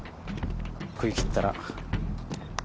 食い切ったら。